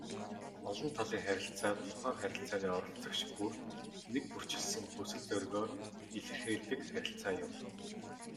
Олон талын харилцаа тухайн харилцааны оролцогч бүр нэгбүрчилсэн хүсэл зоригоо илэрхийлдэг харилцаа юм.